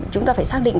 chúng ta phải xác định